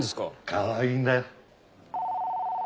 かわいいんだよ。